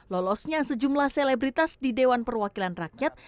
lolosnya sejumlah selebritas di dewan perwakilan rakyat